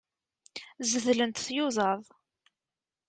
Zeddlent tyuẓaḍ.